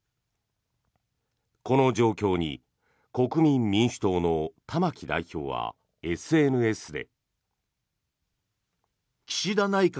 この状況に国民民主党の玉木代表は、ＳＮＳで。